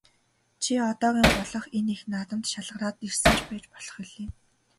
Чи одоогийн болох энэ их наадамд шалгараад ирсэн ч байж болох билээ.